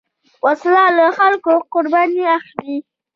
وسله له خلکو قرباني اخلي